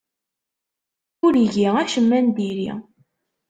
Ur igi acemma n diri.